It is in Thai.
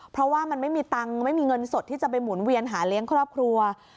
เพราะว่ามันไม่มีตังค์ไม่มีเงินสดที่จะไปหมุนเวียนหาเลี้ยงครอบครัว